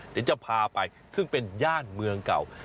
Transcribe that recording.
เดี๋ยวจะพาไปซึ่งเป็นย่านเมืองเก่า